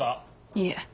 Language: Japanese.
いえ。